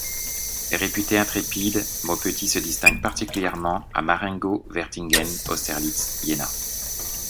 Réputé intrépide, Maupetit se distingue particulièrement à Marengo, Wertingen, Austerlitz, Iéna.